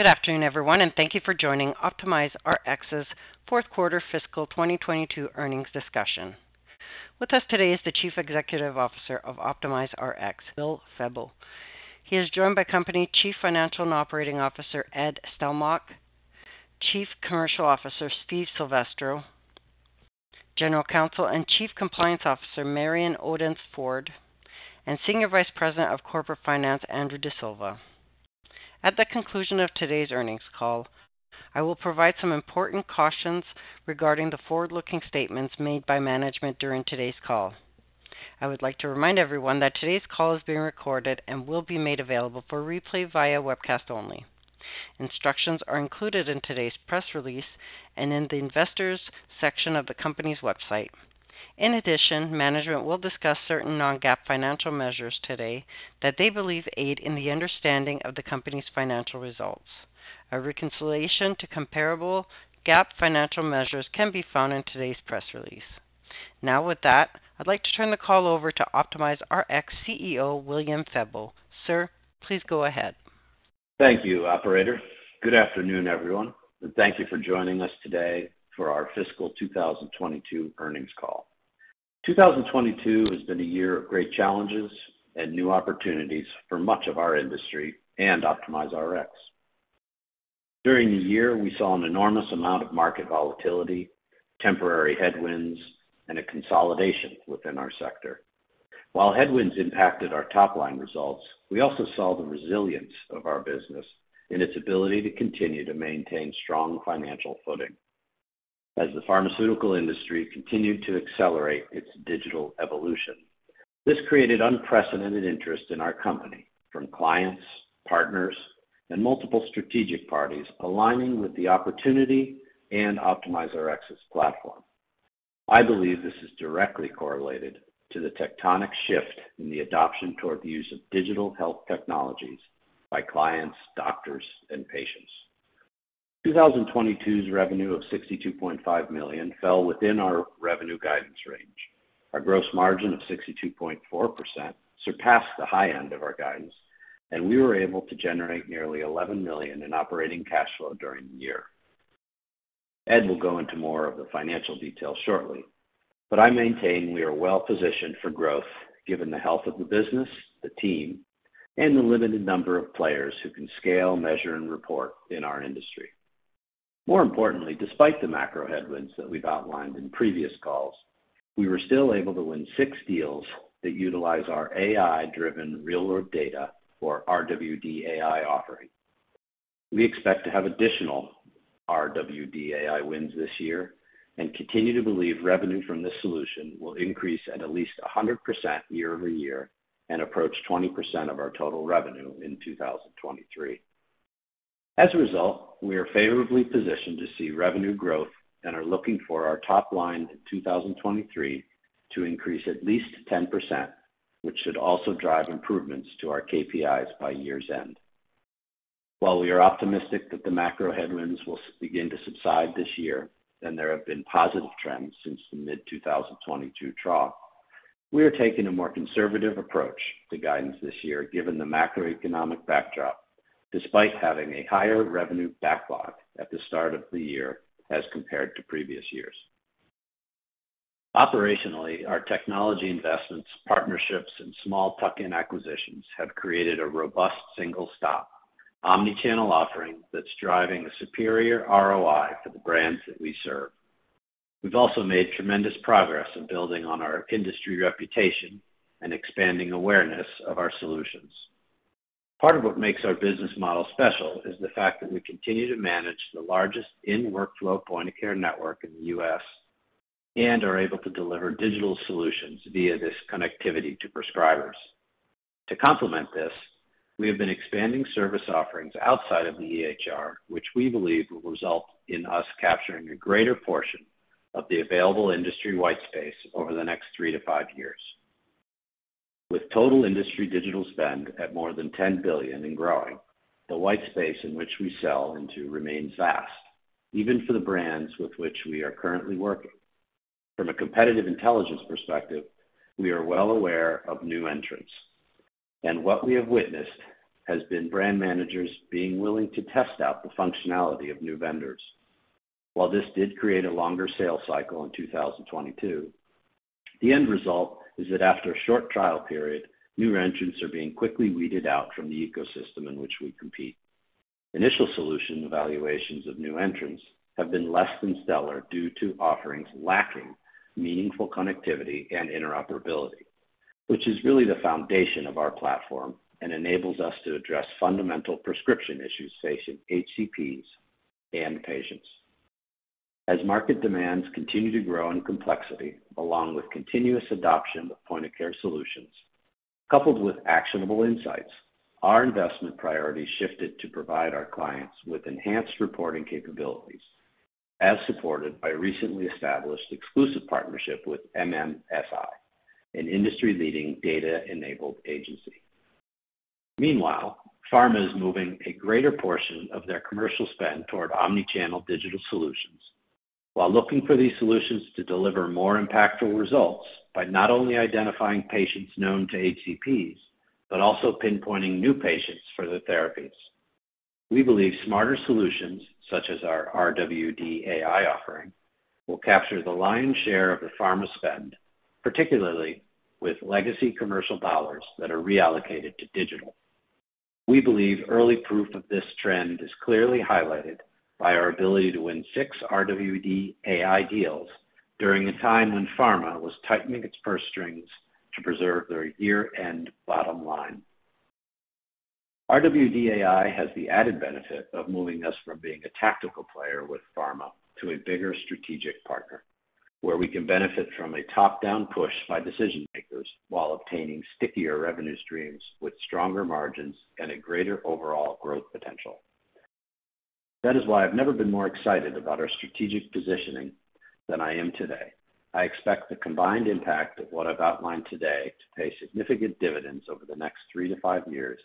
Good afternoon, everyone, and thank you for joining OptimizeRx's Q4 fiscal 2022 earnings discussion. With us today is the Chief Executive Officer of OptimizeRx, William Febbo. He is joined by company Chief Financial and Operating Officer Ed Stelmakh, Chief Commercial Officer Steve Silvestro, General Counsel and Chief Compliance Officer Marion Odence-Ford, and Senior Vice President of Corporate Finance Andrew D'Silva. At the conclusion of today's earnings call, I will provide some important cautions regarding the forward-looking statements made by management during today's call. I would like to remind everyone that today's call is being recorded and will be made available for replay via webcast only. Instructions are included in today's press release and in the investors section of the company's website. In addition, management will discuss certain non-GAAP financial measures today that they believe aid in the understanding of the company's financial results. A reconciliation to comparable GAAP financial measures can be found in today's press release. With that, I'd like to turn the call over to OptimizeRx CEO William Febbo. Sir, please go ahead. Thank you, operator. Good afternoon, everyone, and thank you for joining us today for our fiscal 2022 earnings call. 2022 has been a year of great challenges and new opportunities for much of our industry and OptimizeRx. During the year, we saw an enormous amount of market volatility, temporary headwinds, and a consolidation within our sector. While headwinds impacted our top line results, we also saw the resilience of our business and its ability to continue to maintain strong financial footing as the pharmaceutical industry continued to accelerate its digital evolution. This created unprecedented interest in our company from clients, partners, and multiple strategic parties aligning with the opportunity and OptimizeRx's platform. I believe this is directly correlated to the tectonic shift in the adoption toward the use of digital health technologies by clients, doctors, and patients. 2022's revenue of $62.5 million fell within our revenue guidance range. Our gross margin of 62.4% surpassed the high end of our guidance, and we were able to generate nearly $11 million in operating cash flow during the year. Ed will go into more of the financial details shortly. I maintain we are well-positioned for growth given the health of the business, the team, and the limited number of players who can scale, measure, and report in our industry. More importantly, despite the macro headwinds that we've outlined in previous calls, we were still able to win six deals that utilize our AI-driven real-world data or RWD-AI offering. We expect to have additional RWD-AI wins this year and continue to believe revenue from this solution will increase at least 100% year-over-year and approach 20% of our total revenue in 2023. As a result, we are favorably positioned to see revenue growth and are looking for our top line in 2023 to increase at least 10%, which should also drive improvements to our KPIs by year's end. While we are optimistic that the macro headwinds will begin to subside this year and there have been positive trends since the mid-2022 trough, we are taking a more conservative approach to guidance this year, given the macroeconomic backdrop, despite having a higher revenue backlog at the start of the year as compared to previous years. Operationally, our technology investments, partnerships, and small tuck-in acquisitions have created a robust single-stop omnichannel offering that's driving a superior ROI for the brands that we serve. We've also made tremendous progress in building on our industry reputation and expanding awareness of our solutions. Part of what makes our business model special is the fact that we continue to manage the largest in-workflow point-of-care network in the U.S. and are able to deliver digital solutions via this connectivity to prescribers. To complement this, we have been expanding service offerings outside of the EHR, which we believe will result in us capturing a greater portion of the available industry white space over the next three to five years. With total industry digital spend at more than $10 billion and growing, the white space in which we sell into remains vast, even for the brands with which we are currently working. From a competitive intelligence perspective, we are well aware of new entrants. What we have witnessed has been brand managers being willing to test out the functionality of new vendors. While this did create a longer sales cycle in 2022, the end result is that after a short trial period, new entrants are being quickly weeded out from the ecosystem in which we compete. Initial solution evaluations of new entrants have been less than stellar due to offerings lacking meaningful connectivity and interoperability, which is really the foundation of our platform and enables us to address fundamental prescription issues facing HCPs and patients. As market demands continue to grow in complexity, along with continuous adoption of point-of-care solutions, coupled with actionable insights, our investment priorities shifted to provide our clients with enhanced reporting capabilities as supported by recently established exclusive partnership with MMFI, an industry-leading data-enabled agency. Meanwhile, pharma is moving a greater portion of their commercial spend toward omnichannel digital solutions while looking for these solutions to deliver more impactful results by not only identifying patients known to HCPs, but also pinpointing new patients for the therapies. We believe smarter solutions, such as our RWD AI offering, will capture the lion's share of the pharma spend, particularly with legacy commercial dollars that are reallocated to digital. We believe early proof of this trend is clearly highlighted by our ability to win six RWD AI deals during a time when pharma was tightening its purse strings to preserve their year-end bottom line. RWD AI has the added benefit of moving us from being a tactical player with pharma to a bigger strategic partner, where we can benefit from a top-down push by decision-makers while obtaining stickier revenue streams with stronger margins and a greater overall growth potential. That is why I've never been more excited about our strategic positioning than I am today. I expect the combined impact of what I've outlined today to pay significant dividends over the next three to five years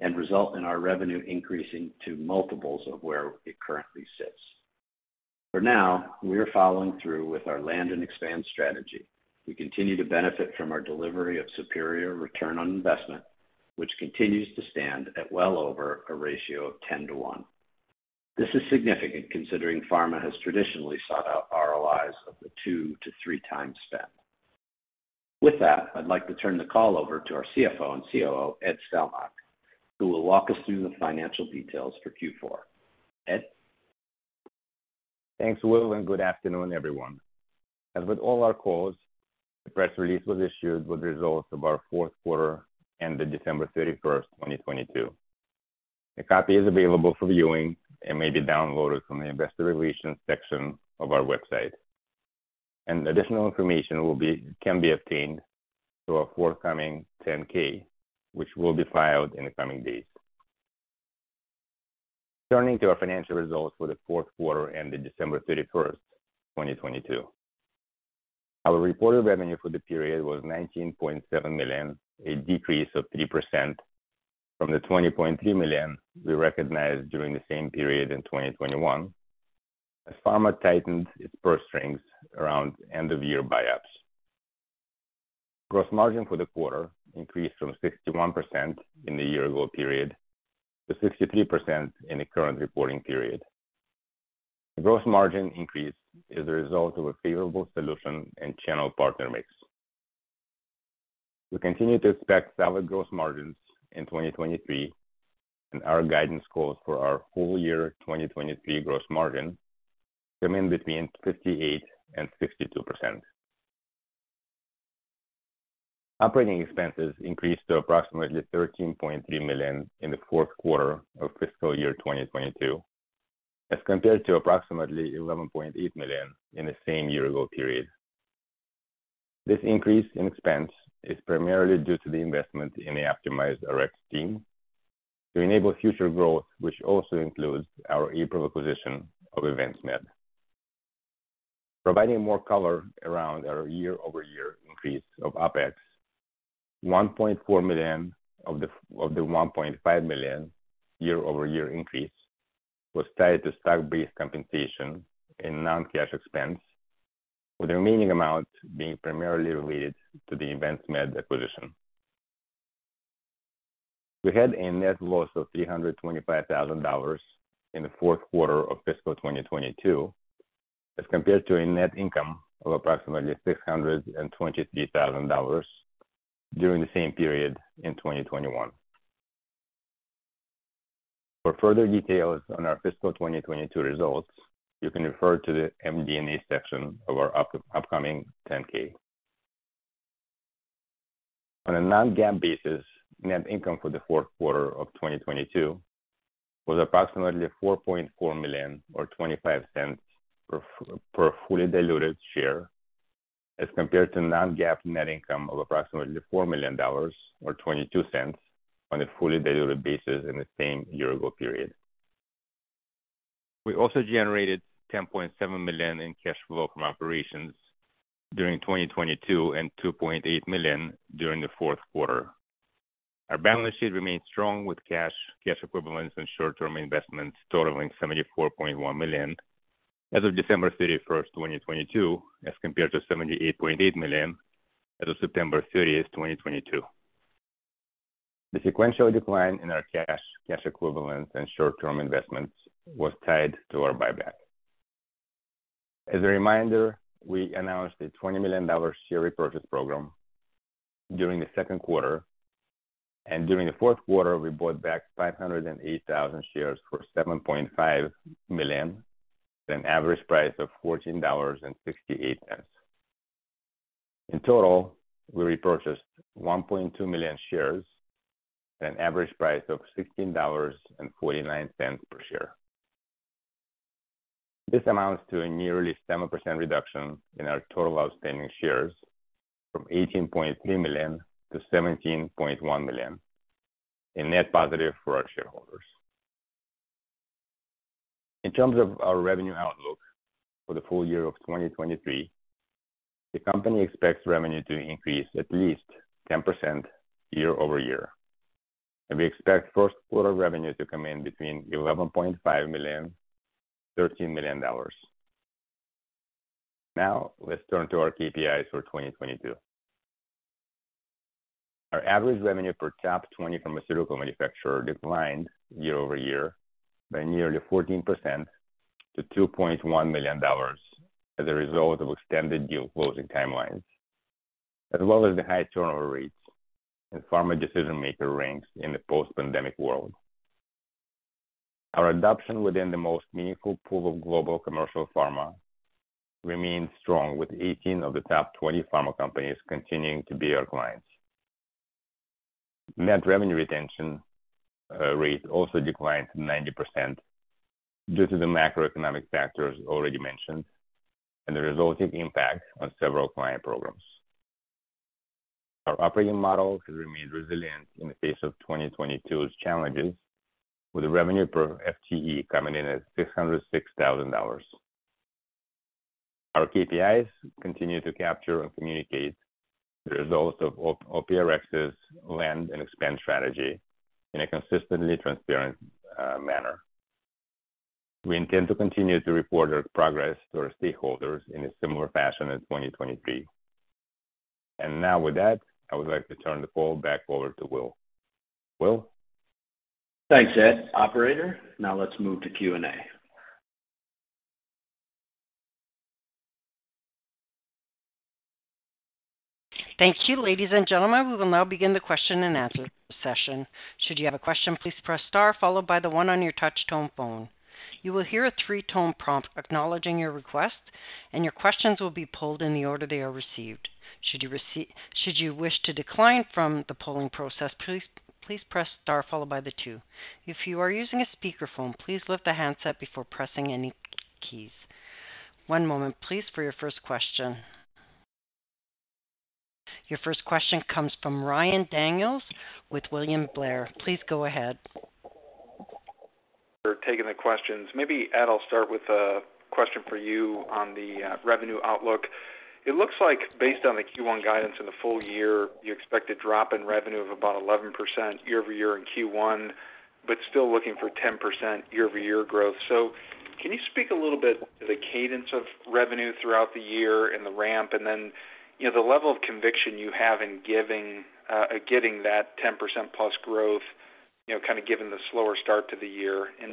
and result in our revenue increasing to multiples of where it currently sits. For now, we are following through with our land and expand strategy. We continue to benefit from our delivery of superior return on investment, which continues to stand at well over a ratio of 10 to 1. This is significant considering pharma has traditionally sought out ROIs of the 2 to 3 times spend. With that, I'd like to turn the call over to our CFO and COO, Ed Stelmakh, who will walk us through the financial details for Q4. Ed? Thanks, Will, and good afternoon, everyone. As with all our calls, the press release was issued with results of our Q4 ended December 31st, 2022. A copy is available for viewing and may be downloaded from the investor relations section of our website. Additional information can be obtained through our forthcoming 10-K, which will be filed in the coming days. Turning to our financial results for the Q4 ended December 31st, 2022. Our reported revenue for the period was $19.7 million, a decrease of 3% from the $20.3 million we recognized during the same period in 2021 as pharma tightened its purse strings around end-of-year buyups. Gross margin for the quarter increased from 61% in the year-ago period to 63% in the current reporting period. The gross margin increase is a result of a favorable solution and channel partner mix. We continue to expect solid gross margins in 2023, our guidance calls for our full year 2023 gross margin to come in between 58% and 62%. Operating expenses increased to approximately $13.3 million in the Q4 of fiscal year 2022, as compared to approximately $11.8 million in the same year-ago period. This increase in expense is primarily due to the investment in the OptimizeRx team to enable future growth, which also includes our April acquisition of EvinceMed. Providing more color around our year-over-year increase of OpEx, $1.4 million of the $1.5 million year-over-year increase was tied to stock-based compensation in non-cash expense, with the remaining amount being primarily related to the EvinceMed acquisition. We had a net loss of $325,000 in the Q4 of fiscal 2022, as compared to a net income of approximately $623,000 during the same period in 2021. For further details on our fiscal 2022 results, you can refer to the MD&A section of our upcoming 10-K. On a non-GAAP basis, net income for the Q4 of 2022 was approximately $4.4 million or $0.25 per fully diluted share, as compared to non-GAAP net income of approximately $4 million or $0.22 on a fully diluted basis in the same year-ago period. We also generated $10.7 million in cash flow from operations during 2022 and $2.8 million during the Q4. Our balance sheet remains strong with cash equivalents and short-term investments totaling $74.1 million as of December 31st, 2022, as compared to $78.8 million as of September 30, 2022. The sequential decline in our cash equivalents and short-term investments was tied to our buyback. As a reminder, we announced a $20 million share repurchase program during the second quarter. During the Q4, we bought back 508,000 shares for $7.5 million at an average price of $14.68. In total, we repurchased 1.2 million shares at an average price of $16.49 per share. This amounts to a nearly 7% reduction in our total outstanding shares from 18.3 million to 17.1 million, a net positive for our shareholders. In terms of our revenue outlook for the full year of 2023. The company expects revenue to increase at least 10% year-over-year, and we expect Q1 revenue to come in between $11.5 million-$13 million. Let's turn to our KPIs for 2022. Our average revenue per top 20 pharmaceutical manufacturer declined year-over-year by nearly 14% to $2.1 million as a result of extended deal closing timelines, as well as the high turnover rates in pharma decision maker ranks in the post-pandemic world. Our adoption within the most meaningful pool of global commercial pharma remains strong, with 18 of the top 20 pharma companies continuing to be our clients. Net revenue retention rate also declined 90% due to the macroeconomic factors already mentioned and the resulting impact on several client programs. Our operating model has remained resilient in the face of 2022's challenges with revenue per FTE coming in at $606,000. Our KPIs continue to capture and communicate the results of OPRX's land and expand strategy in a consistently transparent manner. We intend to continue to report our progress to our stakeholders in a similar fashion in 2023. Now with that, I would like to turn the call back over to Will. Will? Thanks, Ed. Operator, now let's move to Q&A. Thank you, ladies and gentlemen. We will now begin the question-and-answer session. Should you have a question, please press star followed by the one on your touch tone phone. You will hear a three-tone prompt acknowledging your request, and your questions will be polled in the order they are received. Should you wish to decline from the polling process, please press star followed by the two. If you are using a speakerphone, please lift the handset before pressing any keys. one moment please for your first question. Your first question comes from Ryan Daniels with William Blair. Please go ahead. For taking the questions. Maybe, Ed, I'll start with a question for you on the revenue outlook. It looks like based on the Q1 guidance in the full year, you expect a drop in revenue of about 11% year-over-year in Q1, but still looking for 10% year-over-year growth. Can you speak a little bit to the cadence of revenue throughout the year and the ramp and then, you know, the level of conviction you have in giving getting that 10%+ growth, you know, kind of given the slower start to the year and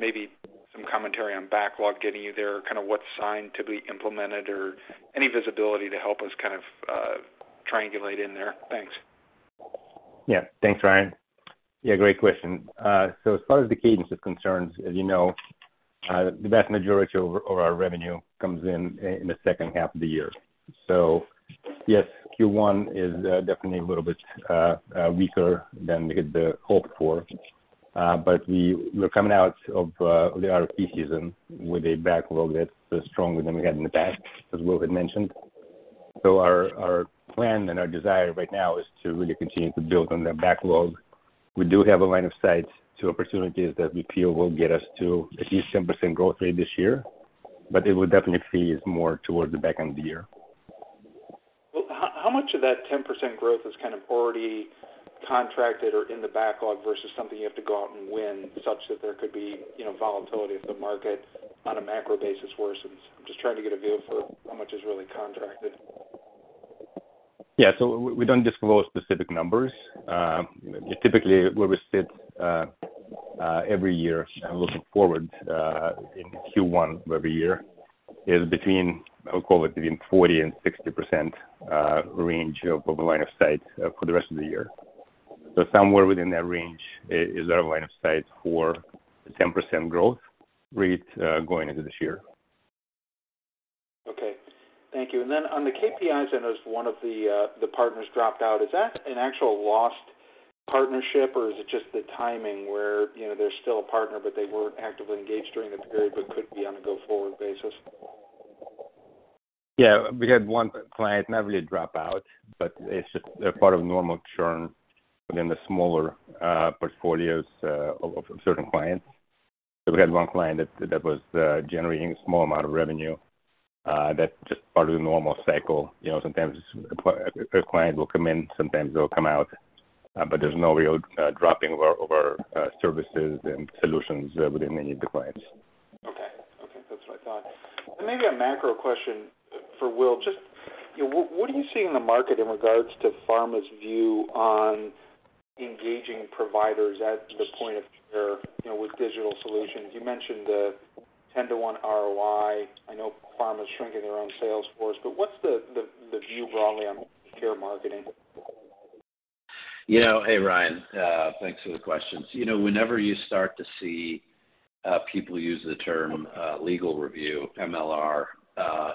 maybe some commentary on backlog getting you there, kind of what sign to be implemented or any visibility to help us kind of triangulate in there. Thanks. Yeah. Thanks, Ryan. Yeah, great question. As far as the cadence is concerned, as you know, the vast majority of our revenue comes in the Q2 of the year. Yes, Q1 is definitely a little bit weaker than we had hoped for. We're coming out of the RFP season with a backlog that's stronger than we had in the past, as Will had mentioned. Our plan and our desire right now is to really continue to build on that backlog. We do have a line of sight to opportunities that we feel will get us to at least 10% growth rate this year, but it will definitely phase more towards the back end of the year. Well, how much of that 10% growth is kind of already contracted or in the backlog versus something you have to go out and win such that there could be, you know, volatility if the market on a macro basis worsens? I'm just trying to get a view for how much is really contracted. Yeah. We don't disclose specific numbers. Typically where we sit every year looking forward in Q1 of every year is between, I would call it within 40% and 60% range of the line of sight for the rest of the year. Somewhere within that range is our line of sight for the 10% growth rate going into this year. Okay. Thank you. On the KPIs, I noticed one of the partners dropped out. Is that an actual lost partnership or is it just the timing where, you know, they're still a partner, but they weren't actively engaged during the period but could be on a go-forward basis? Yeah. We had one client not really drop out, but it's just a part of normal churn within the smaller portfolios of certain clients. We had one client that was generating a small amount of revenue, that's just part of the normal cycle. You know, sometimes a client will come in, sometimes they'll come out, but there's no real dropping of our services and solutions within any of the clients. Okay. Okay. That's what I thought. Maybe a macro question for Will. Just, you know, what are you seeing in the market in regards to pharma's view on engaging providers at the point-of-care, you know, with digital solutions? You mentioned the 10-to-1 ROI. I know pharma is shrinking their own sales force, but what's the view broadly on care marketing? You know, Hey, Ryan. Thanks for the questions. You know, whenever you start to see people use the term legal review, MLR,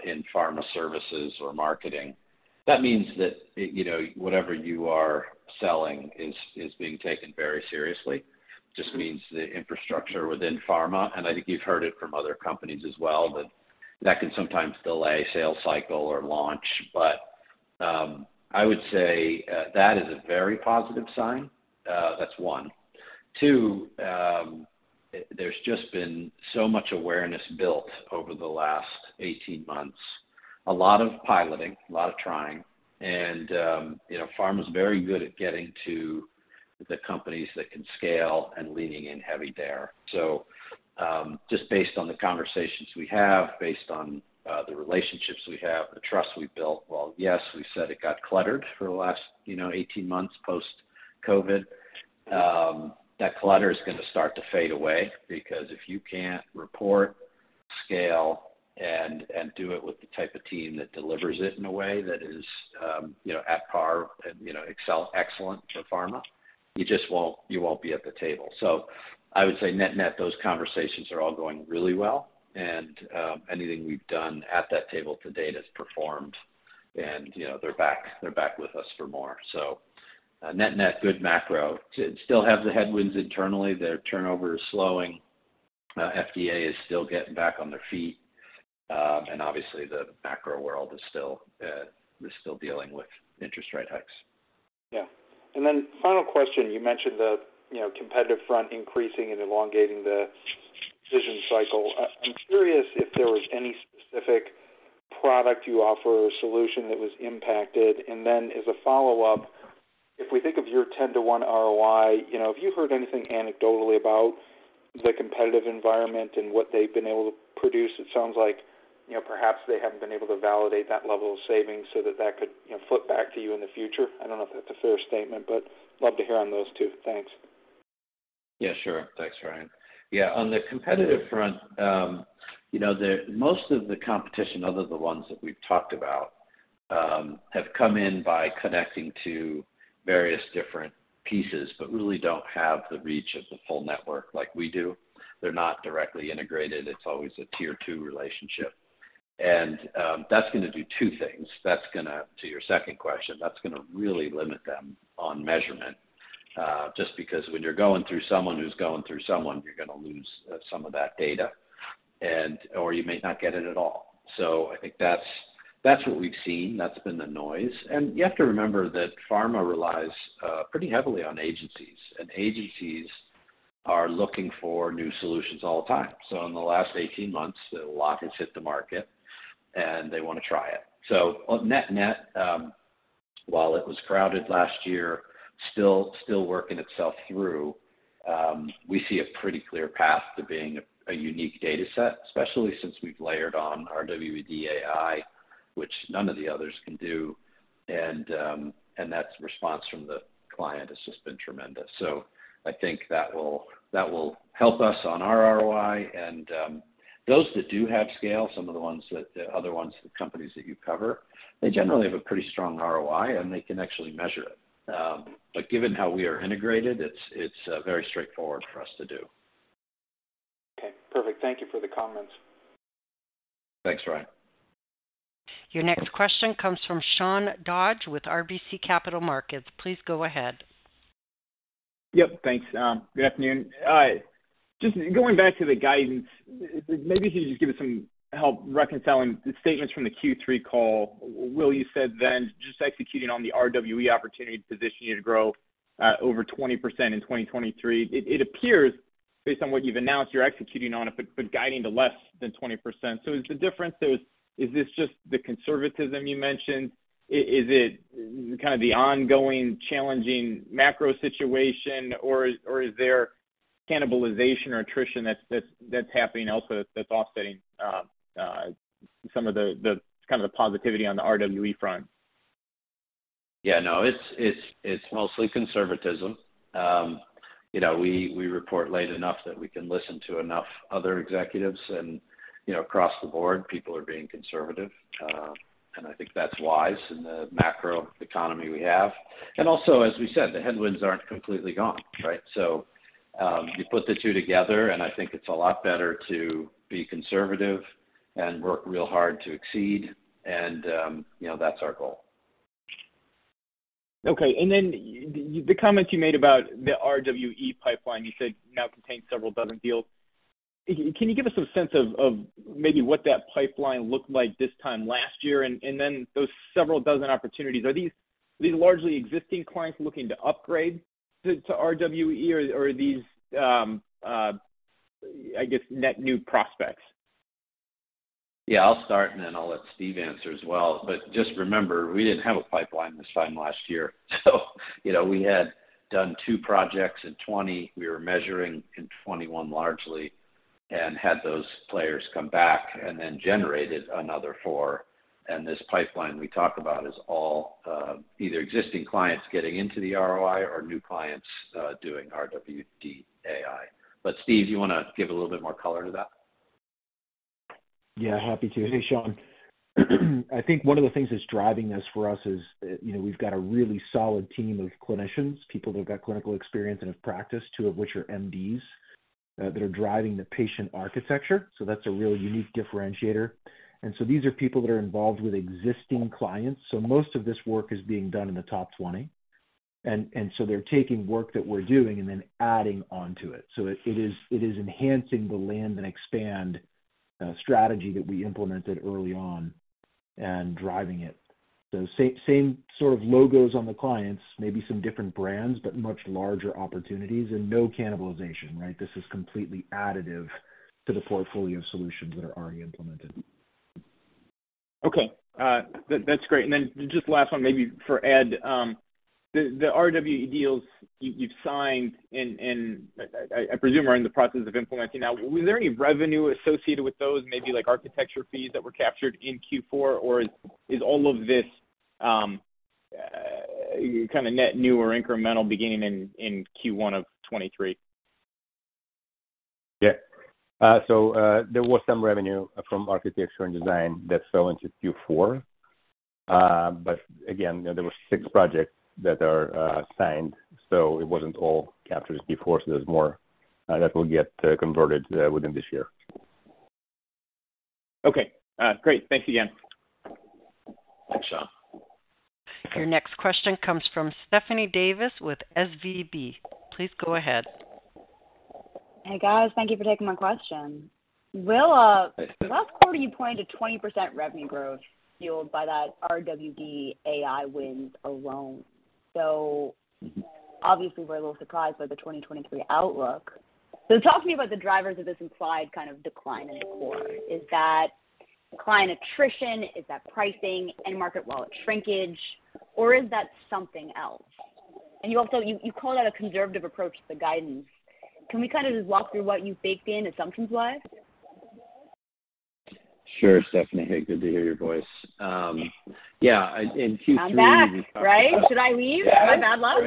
in pharma services or marketing, that means that, you know, whatever you are selling is being taken very seriously. It just means the infrastructure within pharma, and I think you've heard it from other companies as well, that can sometimes delay sales cycle or launch. I would say that is a very positive sign. That's one. Two, there's just been so much awareness built over the last 18 months. A lot of piloting, a lot of trying, and, you know, pharma's very good at getting to the companies that can scale and leaning in heavy there. Just based on the conversations we have, based on the relationships we have, the trust we've built, while yes, we said it got cluttered for the last, you know, 18 months post-COVID, that clutter is gonna start to fade away because if you can't report, scale, and do it with the type of team that delivers it in a way that is, you know, at par and, you know, excellent for pharma, you just won't be at the table. I would say net-net, those conversations are all going really well. Anything we've done at that table to date has performed and, you know, they're back with us for more. Net-net, good macro. Still have the headwinds internally. Their turnover is slowing. FDA is still getting back on their feet. Obviously, the macro world is still dealing with interest rate hikes. Yeah. Final question. You mentioned the, you know, competitive front increasing and elongating the decision cycle. I'm curious if there was any specific product you offer or solution that was impacted. As a follow-up, if we think of your 10-to-1 ROI, you know, have you heard anything anecdotally about the competitive environment and what they've been able to produce? It sounds like, you know, perhaps they haven't been able to validate that level of savings so that that could, you know, flip back to you in the future. I don't know if that's a fair statement, but love to hear on those two. Thanks. Yeah, sure. Thanks, Ryan. Yeah. On the competitive front, you know, the most of the competition, other than the ones that we've talked about, have come in by connecting to various different pieces, but really don't have the reach of the full network like we do. They're not directly integrated. It's always a Tier 2 relationship. That's gonna do two things. That's gonna, to your second question, that's gonna really limit them on measurement, just because when you're going through someone who's going through someone, you're gonna lose some of that data and/or you may not get it at all. I think that's what we've seen. That's been the noise. You have to remember that pharma relies pretty heavily on agencies, and agencies are looking for new solutions all the time. In the last 18 months, a lot has hit the market, and they wanna try it. Net-net, while it was crowded last year, still working itself through, we see a pretty clear path to being a unique data set, especially since we've layered on our RWD-AI, which none of the others can do. That's response from the client has just been tremendous. I think that will help us on our ROI. Those that do have scale, some of the other ones, the companies that you cover, they generally have a pretty strong ROI, and they can actually measure it. Given how we are integrated, it's very straightforward for us to do. Okay, perfect. Thank Thank you for the comments. Thanks, Ryan. Your next question comes from Sean Dodge with RBC Capital Markets. Please go ahead. Yep. Thanks. Good afternoon. Just going back to the guidance, maybe if you could just give us some help reconciling the statements from the Q3 call. Will, you said then just executing on the RWD opportunity to position you to grow over 20% in 2023. It appears based on what you've announced you're executing on it but guiding to less than 20%. Is the difference, is this just the conservatism you mentioned? Is it kind of the ongoing challenging macro situation, or is there cannibalization or attrition that's happening else that's offsetting some of the kind of the positivity on the RWD front? Yeah. No, it's mostly conservatism. You know, we report late enough that we can listen to enough other executives and, you know, across the board, people are being conservative, and I think that's wise in the macro economy we have. Also, as we said, the headwinds aren't completely gone, right? You put the two together, and I think it's a lot better to be conservative and work real hard to exceed and, you know, that's our goal. Okay. Then the comments you made about the RWD pipeline, you said now contains several dozen deals. Can you give us a sense of maybe what that pipeline looked like this time last year and then those several dozen opportunities? Are these largely existing clients looking to upgrade to RWD or are these, I guess, net new prospects? Yeah, I'll start, and then I'll let Steve answer as well. Just remember, we didn't have a pipeline this time last year. You know, we had done two projects in 2020. We were measuring in 2021 largely and had those players come back and then generated another four. This pipeline we talk about is all either existing clients getting into the ROI or new clients doing RWD AI. Steve, you wanna give a little bit more color to that? Yeah, happy to. Hey, Sean. I think one of the things that's driving this for us is, you know, we've got a really solid team of clinicians, people that have got clinical experience and have practiced, two of which are MDs, that are driving the patient architecture. That's a really unique differentiator. These are people that are involved with existing clients, so most of this work is being done in the top 20. They're taking work that we're doing and then adding onto it. It is enhancing the land and expand strategy that we implemented early on. Driving it. The same sort of logos on the clients, maybe some different brands, but much larger opportunities and no cannibalization, right? This is completely additive to the portfolio solutions that are already implemented. Okay. That's great. Just last one maybe for Ed. The RWD deals you've signed and I presume are in the process of implementing now. Was there any revenue associated with those, maybe like architecture fees that were captured in Q4? Is all of this kind of net new or incremental beginning in Q1 of 2023? There was some revenue from architecture and design that fell into Q4. Again, you know, there were six projects that are signed. It wasn't all captured Q4. There's more that will get converted within this year. Okay. Great. Thanks again. Thanks, Sean. Your next question comes from Stephanie Davis with SVB. Please go ahead. Hey, guys. Thank you for taking my question. Will, Last quarter, you pointed to 20% revenue growth fueled by that RWD-AI win alone. Obviously, we're a little surprised by the 2023 outlook. Talk to me about the drivers of this implied kind of decline in the quarter. Is that client attrition? Is that pricing, end market wallet shrinkage, or is that something else? You also call that a conservative approach to the guidance. Can we kind of just walk through what you've baked in assumptions-wise? Sure, Stephanie. Hey, good to hear your voice. yeah, in Q3 I'm back, right? Should I leave? Am I bad luck?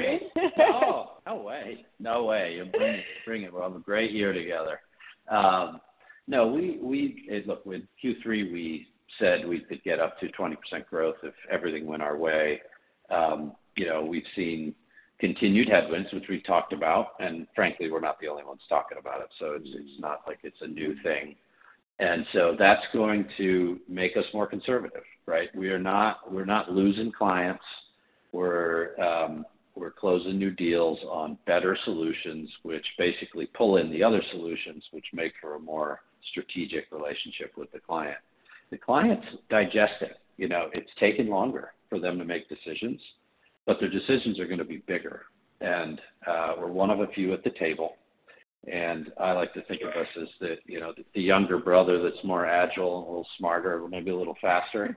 No. No way. No way. You bring, you bring it. We'll have a great year together. No, Look, with Q3, we said we could get up to 20% growth if everything went our way. you know, we've seen continued headwinds, which we've talked about, and frankly, we're not the only ones talking about it, so it's not like it's a new thing. That's going to make us more conservative, right? We're not losing clients. We're closing new deals on better solutions, which basically pull in the other solutions, which make for a more strategic relationship with the client. The clients digest it, you know. It's taken longer for them to make decisions, but their decisions are gonna be bigger. We're one of a few at the table, and I like to think of us as the, you know, the younger brother that's more agile and a little smarter, maybe a little faster.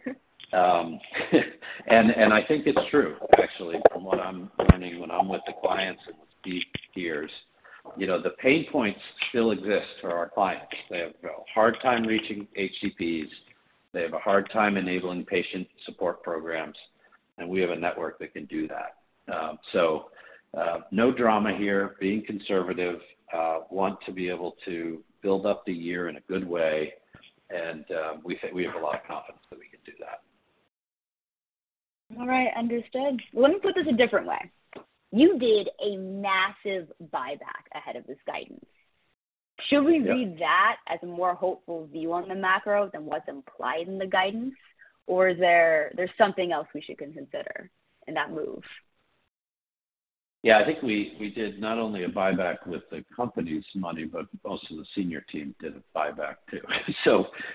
I think it's true, actually, from what I'm learning when I'm with the clients and with the peers. You know, the pain points still exist for our clients. They have a hard time reaching HCPs, they have a hard time enabling patient support programs, and we have a network that can do that. No drama here. Being conservative, want to be able to build up the year in a good way, and, we think we have a lot of confidence that we can do that. All right. Understood. Let me put this a different way. You did a massive buyback ahead of this guidance. Yeah. Should we read that as a more hopeful view on the macro than what's implied in the guidance? There's something else we should consider in that move? Yeah. I think we did not only a buyback with the company's money, but also the senior team did a buyback too.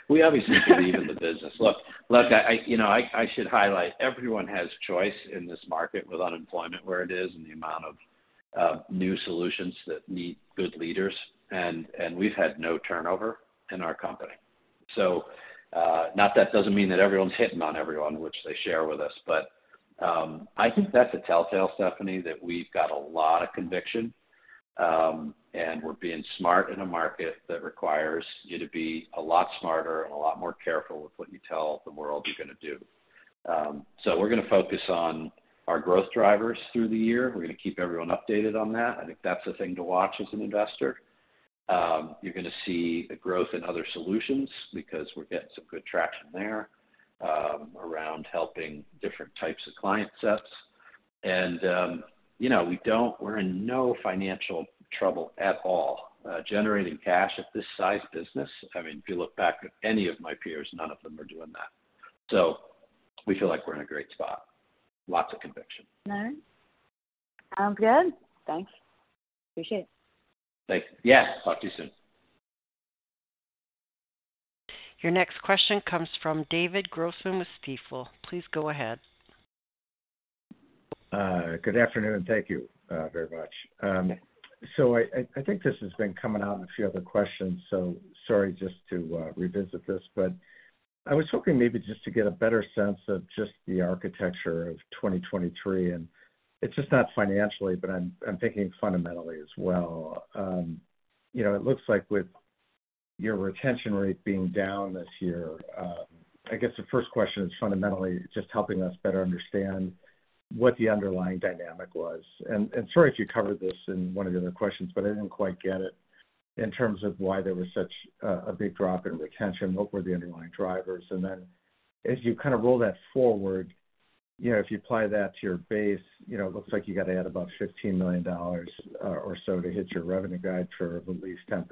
We obviously believe in the business. Look, I, you know, I should highlight everyone has choice in this market with unemployment where it is and the amount of new solutions that need good leaders, and we've had no turnover in our company. Not that doesn't mean that everyone's hitting on everyone, which they share with us. I think that's a tell-tale, Stephanie, that we've got a lot of conviction, and we're being smart in a market that requires you to be a lot smarter and a lot more careful with what you tell the world you're gonna do. We're gonna focus on our growth drivers through the year. We're gonna keep everyone updated on that. I think that's a thing to watch as an investor. You're gonna see the growth in other solutions because we're getting some good traction there, around helping different types of client sets. You know, we're in no financial trouble at all. Generating cash at this size business, I mean, if you look back at any of my peers, none of them are doing that. We feel like we're in a great spot. Lots of conviction. All right. Sounds good. Thanks. Appreciate it. Thanks. Yeah. Talk to you soon. Your next question comes from David Grossman with Stifel. Please go ahead. Good afternoon. Thank you very much. I think this has been coming out in a few other questions, so sorry just to revisit this, but I was hoping maybe just to get a better sense of just the architecture of 2023. It's just not financially, but I'm thinking fundamentally as well. You know, it looks like with your retention rate being down this year, I guess the first question is fundamentally just helping us better understand what the underlying dynamic was. Sorry if you covered this in one of the other questions, but I didn't quite get it in terms of why there was such a big drop in retention. What were the underlying drivers? As you kind of roll that forward, you know, if you apply that to your base, you know, it looks like you got to add about $15 million or so to hit your revenue guide for at least 10%?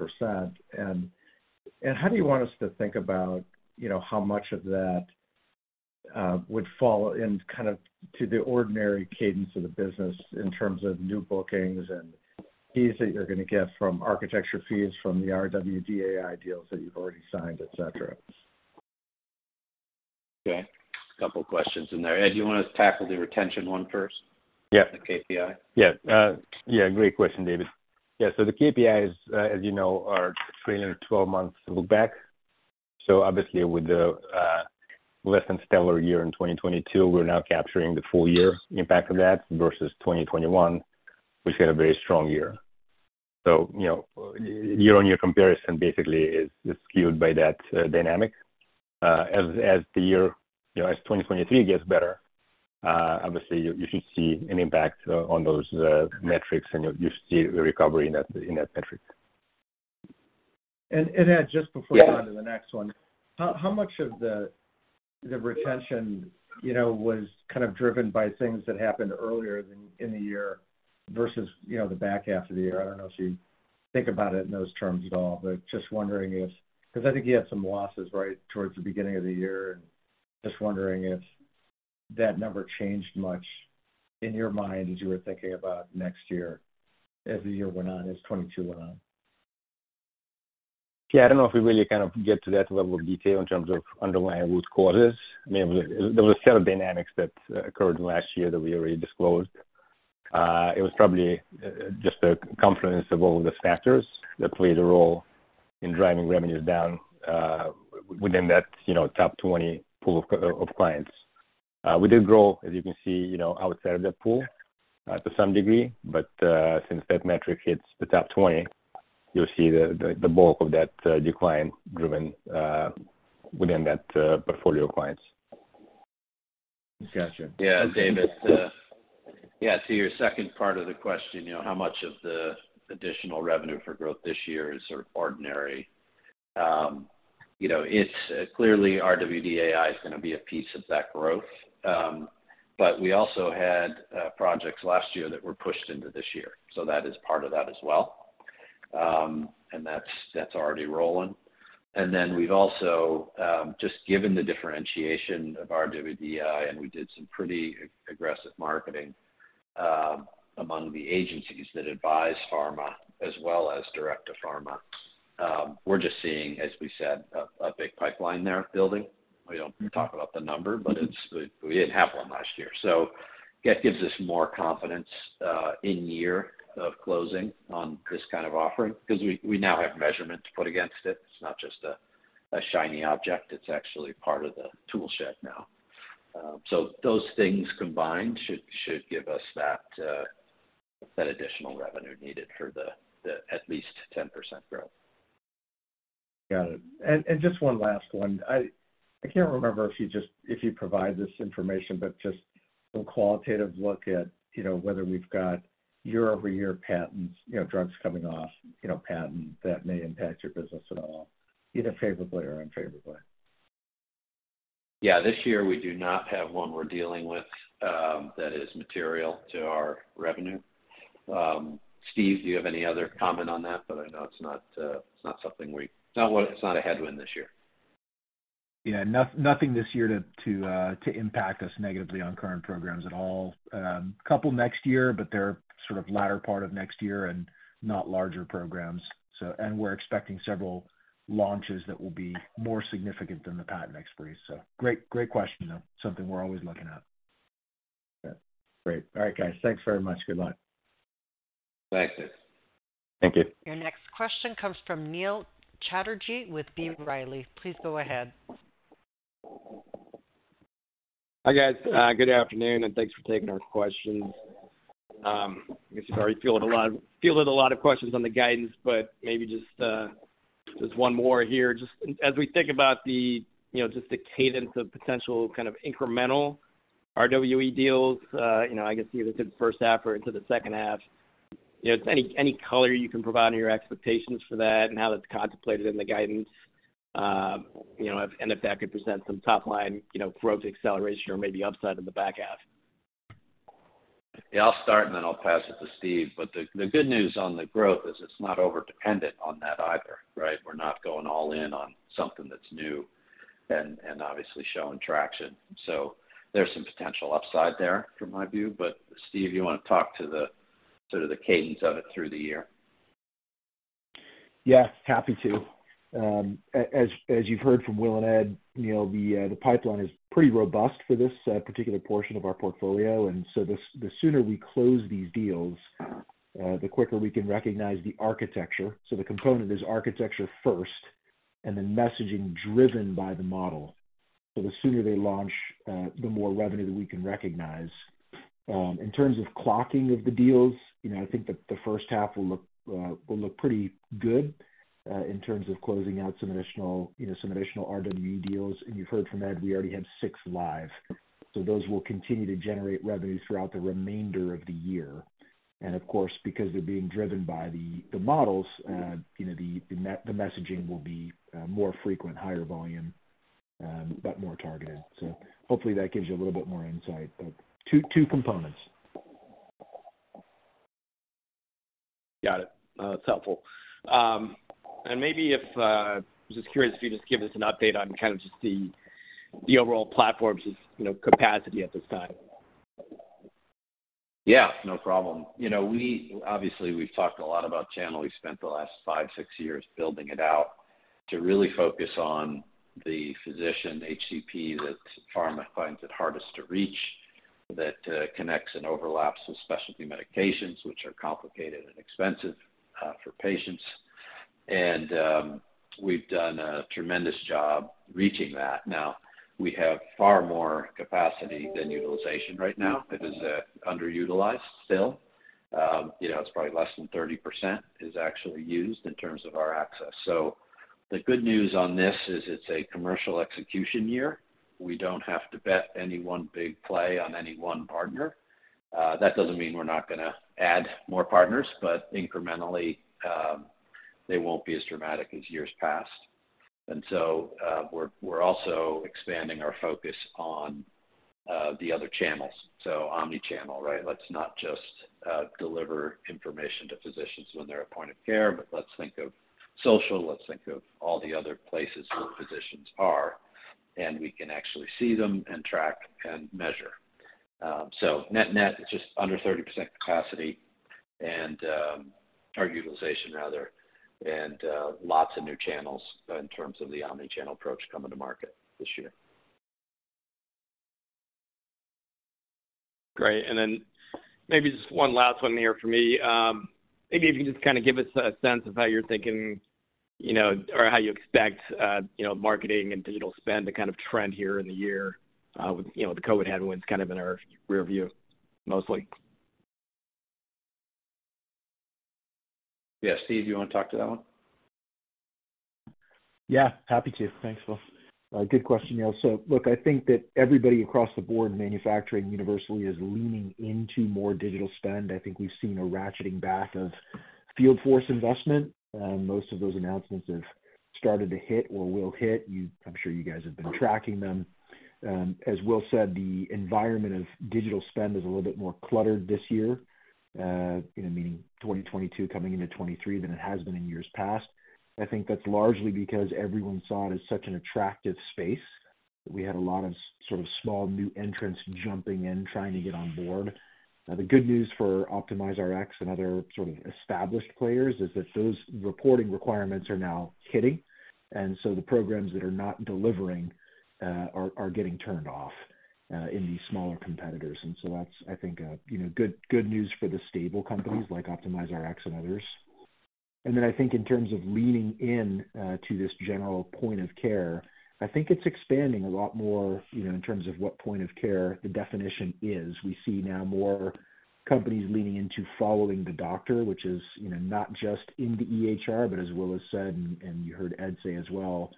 How do you want us to think about, you know, how much of that would fall in kind of to the ordinary cadence of the business in terms of new bookings and fees that you're gonna get from architecture fees from the RWD-AI deals that you've already signed, et cetera? Okay. A couple questions in there. Ed, do you wanna tackle the retention one first. Yeah the KPI? Yeah, great question, David. The KPIs, as you know, are three year, 12 months look back. Obviously with the less than stellar year in 2022, we're now capturing the full year impact of that versus 2021, which had a very strong year. You know, year-on-year comparison basically is skewed by that dynamic. As the year, you know, as 2023 gets better, obviously you should see an impact on those metrics, and you should see a recovery in that metric. Ed, just before- Yeah We move on to the next one. How much of the retention, you know, was kind of driven by things that happened earlier than in the year versus, you know, the back half of the year? I don't know if you think about it in those terms at all, but just wondering if. 'Cause I think you had some losses right towards the beginning of the year, and just wondering if that number changed much in your mind as you were thinking about next year, as the year went on, as 2022 went on. Yeah, I don't know if we really kind of get to that level of detail in terms of underlying root causes. I mean, there was several dynamics that occurred in the last year that we already disclosed. It was probably just a confluence of all of those factors that played a role in driving revenues down within that, you know, top 20 pool of clients. We did grow, as you can see, you know, outside of that pool, to some degree, but since that metric hits the top 20, you'll see the bulk of that decline driven within that portfolio of clients. Gotcha. David, to your second part of the question, you know, how much of the additional revenue for growth this year is sort of ordinary? You know, it's clearly our RWD-AI is gonna be a piece of that growth. We also had projects last year that were pushed into this year, so that is part of that as well. That's already rolling. We've also, just given the differentiation of our RWD-AI, and we did some pretty aggressive marketing, among the agencies that advise pharma as well as direct to pharma. We're just seeing, as we said, a big pipeline there building. We don't talk about the number, but it's. We didn't have one last year. That gives us more confidence in year of closing on this kind of offering 'cause we now have measurement to put against it. It's not just a shiny object. It's actually part of the tool shed now. Those things combined should give us that additional revenue needed for the at least 10% growth. Got it. Just one last one. I can't remember if you provide this information, but just some qualitative look at, you know, whether we've got year-over-year patents, you know, drugs coming off, you know, patent that may impact your business at all, either favorably or unfavorably. Yeah. This year, we do not have one we're dealing with, that is material to our revenue. Steve, do you have any other comment on that? I know it's not, it's not something we... It's not a headwind this year. Yeah. Nothing this year to impact us negatively on current programs at all. Couple next year, but they're sort of latter part of next year and not larger programs. We're expecting several launches that will be more significant than the patent expiry. Great, great question, though. Something we're always looking at. Okay. Great. All right, guys. Thanks very much. Good luck. Thanks, Dave. Thank you. Your next question comes from Neil Chatterji with B. Riley. Please go ahead. Hi, guys. Good afternoon, thanks for taking our questions. I guess you've already fielded a lot of questions on the guidance, maybe just one more here. Just as we think about the, you know, just the cadence of potential kind of incremental RWD deals, you know, I guess either through the H1 or into the Q2, you know, any color you can provide on your expectations for that and how that's contemplated in the guidance, you know, and if that could present some top line, you know, growth acceleration or maybe upside in the back half. I'll start, and then I'll pass it to Steve. The good news on the growth is it's not over-dependent on that either, right? We're not going all in on something that's new and obviously showing traction. There's some potential upside there from my view. Steve, you wanna talk to the sort of the cadence of it through the year? Yeah. Happy to. As you've heard from Will and Ed, you know, the pipeline is pretty robust for this particular portion of our portfolio. The sooner we close these deals, the quicker we can recognize the architecture. The component is architecture first, and then messaging driven by the model. The sooner they launch, the more revenue that we can recognize. In terms of clocking of the deals, you know, I think that the H1 will look pretty good in terms of closing out some additional, you know, some additional RWD deals. You've heard from Ed, we already have six live. Those will continue to generate revenue throughout the remainder of the year. Of course, because they're being driven by the models, you know, the messaging will be, more frequent, higher volume, but more targeted. Hopefully that gives you a little bit more insight. Two components. Got it. That's helpful. Maybe if just curious if you just give us an update on kind of just the overall platform's, you know, capacity at this time? Yeah, no problem. You know, obviously, we've talked a lot about channel. We spent the last five, six years building it out to really focus on the physician HCP that pharma finds it hardest to reach, that connects and overlaps with specialty medications, which are complicated and expensive for patients. We've done a tremendous job reaching that. Now, we have far more capacity than utilization right now. It is underutilized still. You know, it's probably less than 30% is actually used in terms of our access. The good news on this is it's a commercial execution year. We don't have to bet any one big play on any one partner. That doesn't mean we're not gonna add more partners, but incrementally, they won't be as dramatic as years past. We're also expanding our focus on the other channels. Omnichannel, right? Let's not just deliver information to physicians when they're at point-of-care, but let's think of social, let's think of all the other places where physicians are, and we can actually see them and track and measure. Net-net, it's just under 30% capacity and or utilization rather, and lots of new channels in terms of the omnichannel approach coming to market this year. Great. Then maybe just one last one here for me. Maybe if you just kind of give us a sense of how you're thinking, you know, or how you expect, you know, marketing and digital spend to kind of trend here in the year, with, you know, the COVID headwinds kind of in our rearview, mostly. Yeah. Steve, do you wanna talk to that one? Yeah, happy to. Thanks, Will. Good question, Neil. Look, I think that everybody across the board in manufacturing universally is leaning into more digital spend. I think we've seen a ratcheting back of field force investment. Most of those announcements have started to hit or will hit. I'm sure you guys have been tracking them. As Will said, the environment of digital spend is a little bit more cluttered this year, you know, meaning 2022 coming into 2023 than it has been in years past. I think that's largely because everyone saw it as such an attractive space. We had a lot of sort of small new entrants jumping in, trying to get on board. The good news for OptimizeRx and other sort of established players is that those reporting requirements are now hitting. The programs that are not delivering are getting turned off in these smaller competitors. That's, I think, you know, good news for the stable companies like OptimizeRx and others. I think in terms of leaning in to this general point-of-care, I think it's expanding a lot more, you know, in terms of what point-of-care the definition is. We see now more companies leaning into following the doctor, which is, you know, not just in the EHR, but as Will has said, and you heard Ed say as well,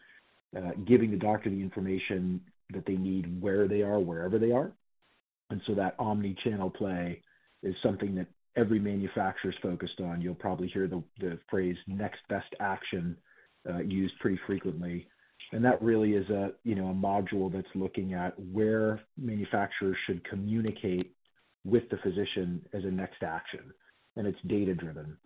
giving the doctor the information that they need, where they are, wherever they are. That omnichannel play is something that every manufacturer is focused on. You'll probably hear the phrase next best action used pretty frequently. That really is a, you know, a module that's looking at where manufacturers should communicate with the physician as a next action, and it's data-driven.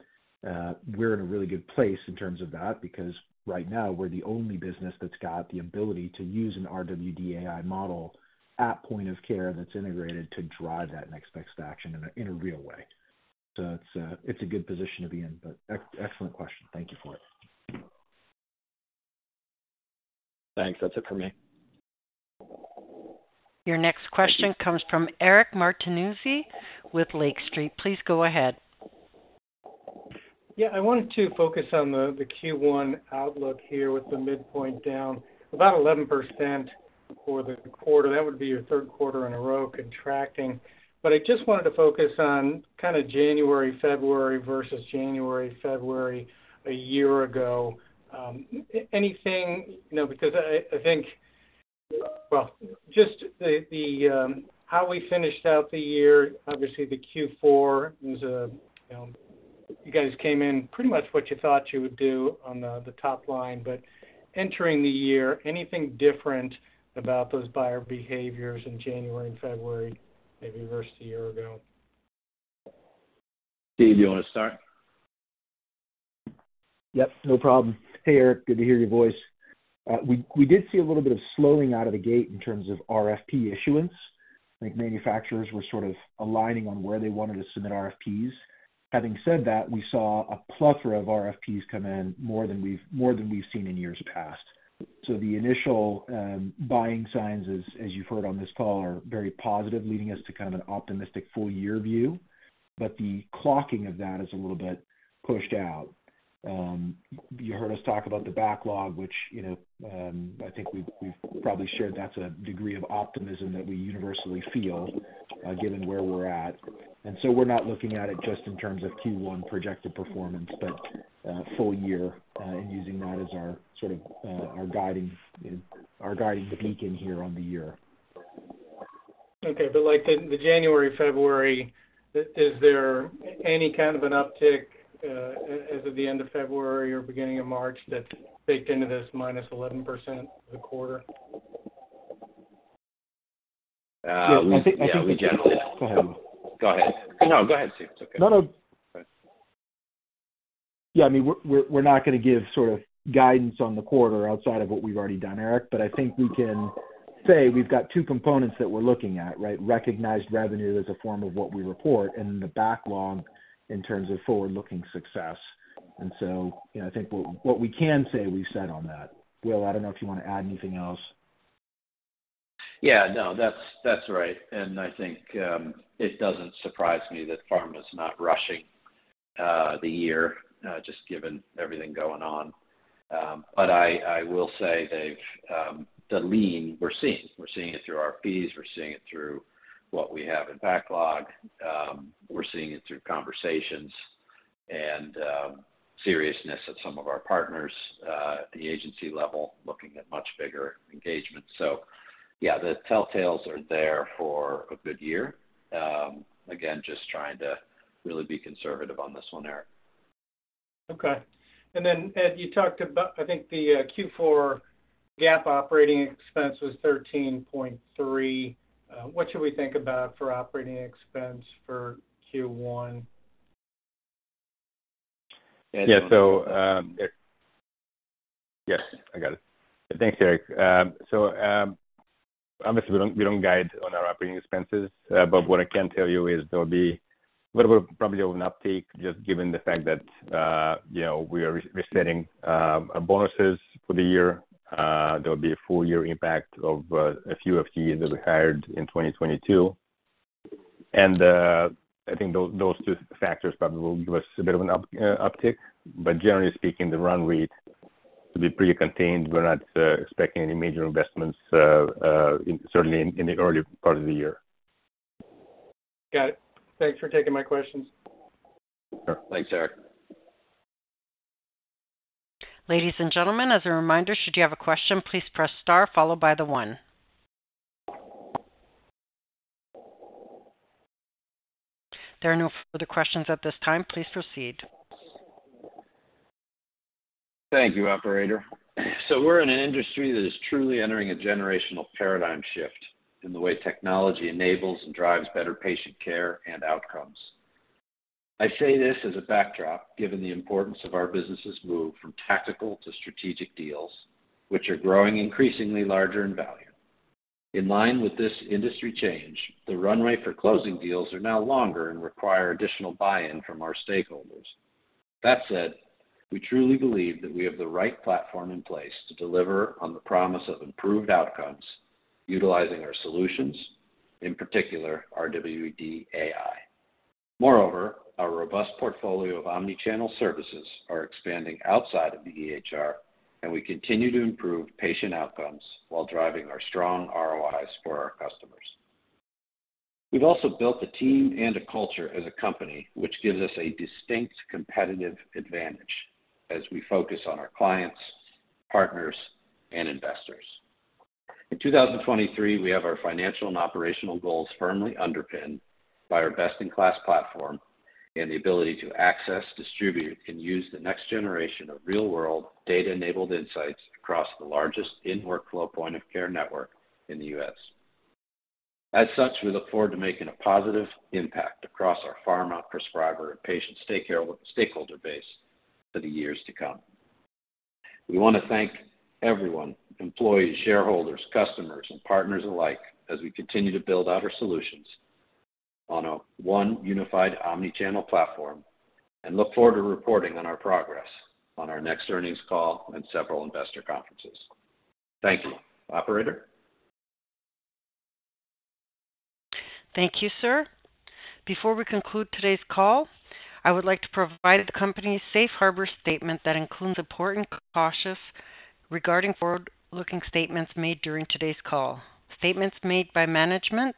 We're in a really good place in terms of that because right now we're the only business that's got the ability to use an RWD AI model at point-of-care that's integrated to drive that next best action in a real way. It's a good position to be in. Excellent question. Thank you for it. Thanks. That's it for me. Your next question comes from Eric Martinuzzi with Lake Street. Please go ahead. Yeah. I wanted to focus on the Q1 outlook here with the midpoint down about 11% for the quarter. That would be your 3rd quarter in a row contracting. I just wanted to focus on kinda January, February versus January, February a year ago. anything, you know, because I think. Well, just the how we finished out the year, obviously the Q4 was, you know, you guys came in pretty much what you thought you would do on the top line. Entering the year, anything different about those buyer behaviors in January and February maybe versus a year ago? Steve, do you wanna start? Yep, no problem. Hey, Eric, good to hear your voice. We did see a little bit of slowing out of the gate in terms of RFP issuance. I think manufacturers were sort of aligning on where they wanted to submit RFPs. Having said that, we saw a plethora of RFPs come in more than we've seen in years past. The initial buying signs, as you've heard on this call, are very positive, leading us to kind of an optimistic full year view. The clocking of that is a little bit pushed out. You heard us talk about the backlog, which, you know, I think we've probably shared that's a degree of optimism that we universally feel given where we're at. We're not looking at it just in terms of Q1 projected performance, but, full year, and using that as our, sort of, our guiding beacon here on the year. Okay. like the January, February, is there any kind of an uptick, as of the end of February or beginning of March that's baked into this -11% for the quarter? Uh, we- I think. Yeah, we Go ahead. Go ahead. No, go ahead, Steve. It's okay. Yeah, I mean, we're not gonna give sort of guidance on the quarter outside of what we've already done, Eric, but I think we can say we've got two components that we're looking at, right? Recognized revenue as a form of what we report and then the backlog in terms of forward-looking success. You know, I think what we can say, we've said on that. Will, I don't know if you wanna add anything else? Yeah, no, that's right. I think it doesn't surprise me that pharma's not rushing the year just given everything going on. I will say they've the lean we're seeing. We're seeing it through RFPs. We're seeing it through what we have in backlog. We're seeing it through conversations and seriousness of some of our partners at the agency level looking at much bigger engagements. Yeah, the telltales are there for a good year. Again, just trying to really be conservative on this one, Eric. Okay. Ed, you talked about, I think the Q4 GAAP operating expense was $13.3. What should we think about for operating expense for Q1? Yeah. Yes, I got it. Thanks, Eric. Obviously we don't, we don't guide on our operating expenses, but what I can tell you is There will probably be an uptick just given the fact that, you know, we are re-resetting our bonuses for the year. There will be a full year impact of a few FTEs that we hired in 2022. I think those two factors probably will give us a bit of an uptick. Generally speaking, the run rate will be pretty contained. We're not expecting any major investments, certainly in the early part of the year. Got it. Thanks for taking my questions. Sure. Thanks, Eric. Ladies and gentlemen, as a reminder, should you have a question, please press star followed by the one. There are no further questions at this time. Please proceed. Thank you, operator. We're in an industry that is truly entering a generational paradigm shift in the way technology enables and drives better patient care and outcomes. I say this as a backdrop, given the importance of our business's move from tactical to strategic deals, which are growing increasingly larger in value. In line with this industry change, the runway for closing deals are now longer and require additional buy-in from our stakeholders. That said, we truly believe that we have the right platform in place to deliver on the promise of improved outcomes utilizing our solutions, in particular our RWD-AI. Moreover, our robust portfolio of omnichannel services are expanding outside of the EHR, and we continue to improve patient outcomes while driving our strong ROIs for our customers. We've also built a team and a culture as a company which gives us a distinct competitive advantage as we focus on our clients, partners, and investors. In 2023, we have our financial and operational goals firmly underpinned by our best-in-class platform and the ability to access, distribute, and use the next generation of real-world data-enabled insights across the largest in-workflow point-of-care network in the U.S. We look forward to making a positive impact across our pharma, prescriber, and patient stakeholder base for the years to come. We wanna thank everyone, employees, shareholders, customers and partners alike, as we continue to build out our solutions on a one unified omnichannel platform and look forward to reporting on our progress on our next earnings call and several investor conferences. Thank you. Operator? Thank you, sir. Before we conclude today's call, I would like to provide the company's safe harbor statement that includes important cautions regarding forward-looking statements made during today's call. Statements made by management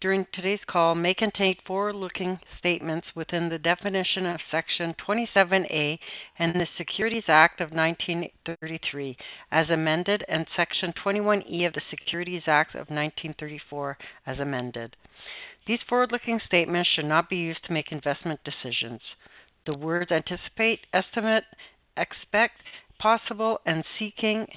during today's call may contain forward-looking statements within the definition of Section 27A in the Securities Act of 1933, as amended, and Section 21E of the Securities Exchange Act of 1934 as amended. These forward-looking statements should not be used to make investment decisions. The words anticipate, estimate, expect, possible, and seeking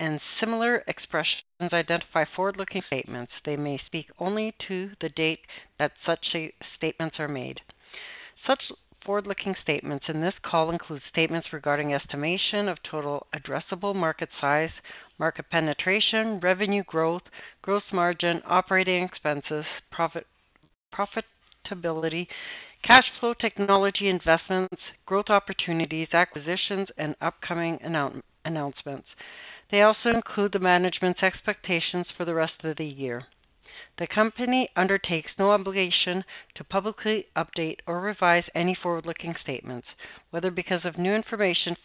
and similar expressions identify forward-looking statements. They may speak only to the date that such statements are made. Such forward-looking statements in this call include statements regarding estimation of total addressable market size, market penetration, revenue growth, gross margin, operating expenses, profitability, cash flow, technology investments, growth opportunities, acquisitions, and upcoming announcements. They also include the management's expectations for the rest of the year. The company undertakes no obligation to publicly update or revise any forward-looking statements, whether because of new information,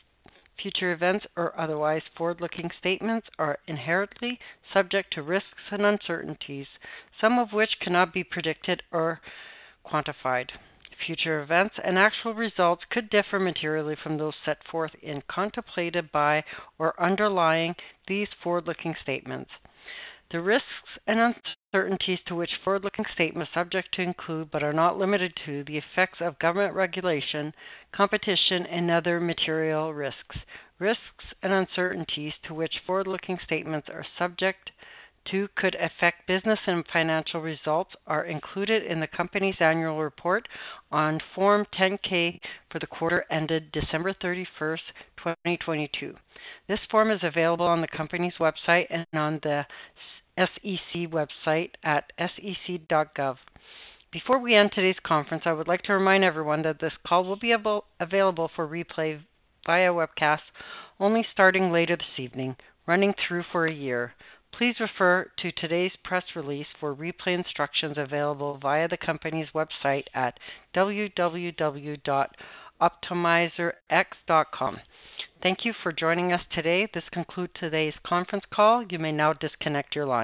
future events, or otherwise. Forward-looking statements are inherently subject to risks and uncertainties, some of which cannot be predicted or quantified. Future events and actual results could differ materially from those set forth and contemplated by or underlying these forward-looking statements. The risks and uncertainties to which forward-looking statements are subject to include, but are not limited to, the effects of government regulation, competition, and other material risks. Risks and uncertainties to which forward-looking statements are subject to could affect business and financial results are included in the company's annual report on Form 10-K for the quarter ended December 31st, 2022. This form is available on the company's website and on the S.E.C. website at sec.gov. Before we end today's conference, I would like to remind everyone that this call will be available for replay via webcast only starting later this evening, running through for a year. Please refer to today's press release for replay instructions available via the company's website at www.optimizerx.com. Thank you for joining us today. This concludes today's conference call. You may now disconnect your line.